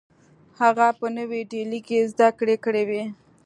هغه په نوې ډیلي کې زدکړې کړې وې